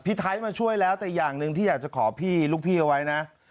ไทยมาช่วยแล้วแต่อย่างหนึ่งที่อยากจะขอพี่ลูกพี่เอาไว้นะ